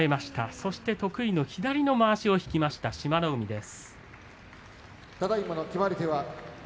そして得意の左のまわしを引きました志摩ノ海です。